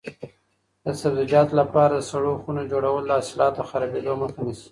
د سبزیجاتو لپاره د سړو خونو جوړول د حاصلاتو د خرابېدو مخه نیسي.